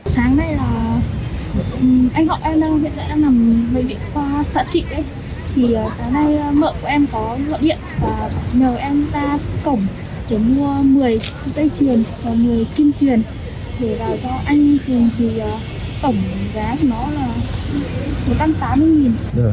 sáng nay là anh họ em hiện tại đang nằm ở bệnh viện khoa sở trị